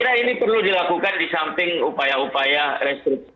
kita ini perlu dilakukan di samping upaya upaya restripsi